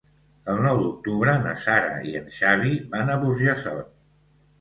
El nou d'octubre na Sara i en Xavi van a Burjassot.